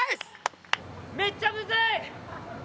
めっちゃむずい！